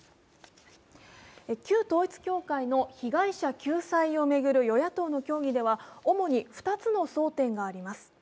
旧統一教会の被害者救済を巡る与野党の協議では主に２つの争点があります。